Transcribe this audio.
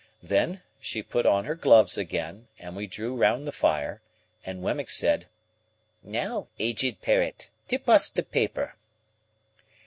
Then, she put on her gloves again, and we drew round the fire, and Wemmick said, "Now, Aged Parent, tip us the paper."